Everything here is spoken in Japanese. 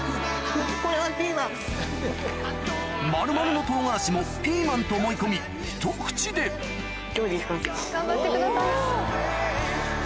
丸々の唐辛子もピーマンと思い込みひと口で頑張ってください。